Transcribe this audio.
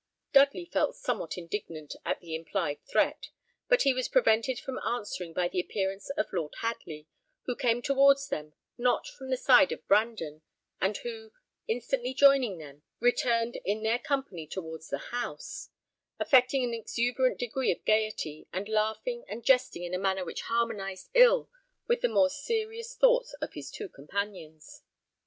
Dudley felt somewhat indignant at the implied threat; but he was prevented from answering by the appearance of Lord Hadley, who came towards them, not from the side of Brandon, and who, instantly joining them, returned in their company towards the house, affecting an exuberant degree of gaiety, and laughing and jesting in a manner which harmonized ill with the more serious thoughts of his two companions.